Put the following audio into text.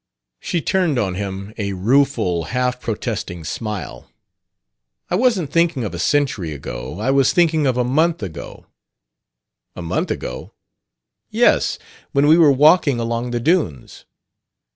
She turned on him a rueful, half protesting smile. "I wasn't thinking of a century ago. I was thinking of a month ago." "A month ago?" "Yes; when we were walking along the dunes."